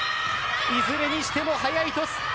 いずれにしても速いトス。